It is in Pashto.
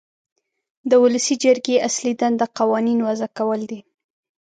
د ولسي جرګې اصلي دنده قوانین وضع کول دي.